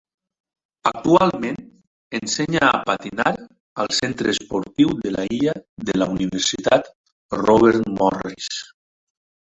Actualment ensenya a patinar al Centre Esportiu de la Illa de la Universitat Robert Morris.